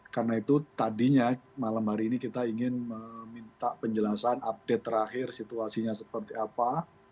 karena itu tadinya malam hari ini kita ingin meminta penjelasan update terakhir situasinya seperti apa